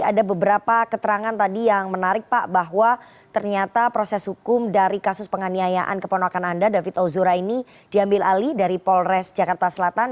ada beberapa keterangan tadi yang menarik pak bahwa ternyata proses hukum dari kasus penganiayaan keponakan anda david ozora ini diambil alih dari polres jakarta selatan